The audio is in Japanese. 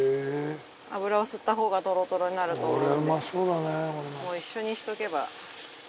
脂を吸った方がトロトロになると思うので。